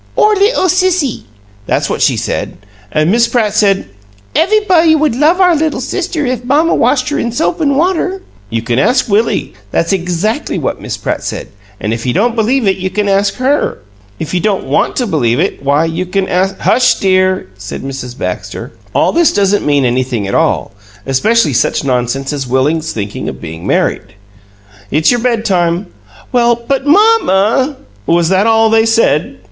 'Our 'ittle sissy'; that's what she said. An' Miss Pratt said, 'Ev'rybody would love our little sister if mamma washed her in soap an' water!' You can ask Willie; that's exackly what Miss Pratt said, an' if you don't believe it you can ask HER. If you don't want to believe it, why, you can ask " "Hush, dear," said Mrs. Baxter. "All this doesn't mean anything at all, especially such nonsense as Willie's thinking of being married. It's your bedtime." "Well, but MAMMA " "Was that all they said?"